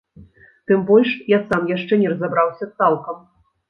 Тым больш, я сам яшчэ не разабраўся цалкам.